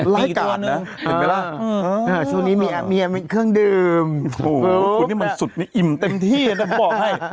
รายการนะเห็นไหมล่ะช่วงนี้มีเครื่องดื่มโอ้โหคุณนี่มันสุดนี่อิ่มเต็มที่นะผมบอกให้